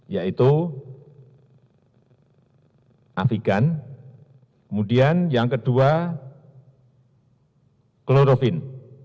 yaitu afigan kemudian yang kedua klorofin